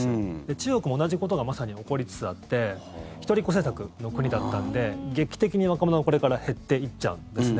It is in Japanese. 中国も同じことがまさに起こりつつあって一人っ子政策の国なので劇的に若者が、これから減っていっちゃうんですね。